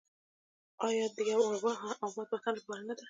آیا او د یو اباد وطن لپاره نه ده؟